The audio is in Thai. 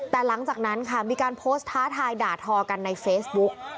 แต่หลังจากนั้นค่ะมีการโพสต์ท้าทายด่าทอกันในเฟซบุ๊ก